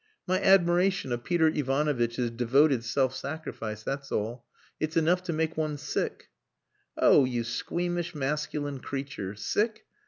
"My admiration of Peter Ivanovitch's devoted self sacrifice, that's all. It's enough to make one sick." "Oh, you squeamish, masculine creature. Sick!